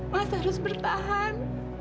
mas harus bertahan